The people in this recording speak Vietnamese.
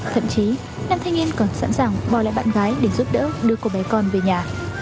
thậm chí nam thanh niên còn sẵn sàng bỏ lại bạn gái để giúp đỡ đưa cô bé con về nhà